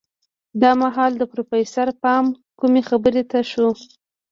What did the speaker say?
دا مهال د پروفيسر پام کومې خبرې ته شو.